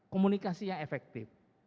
komunikasi yang efektif